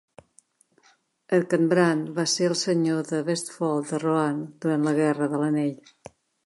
Erkenbrand va ser el senyor del Westfold de Rohan durant la Guerra de l'anell.